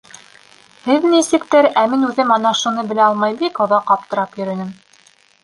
Һеҙ нисектер, ә мин үҙем ана шуны белә алмай бик оҙаҡ аптырап йөрөнөм.